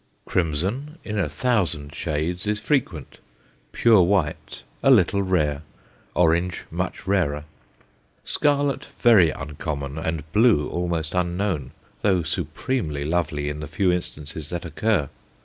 Crimson, in a thousand shades, is frequent; pure white a little rare, orange much rarer; scarlet very uncommon, and blue almost unknown, though supremely lovely in the few instances that occur.